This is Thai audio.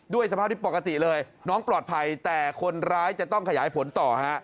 สภาพที่ปกติเลยน้องปลอดภัยแต่คนร้ายจะต้องขยายผลต่อฮะ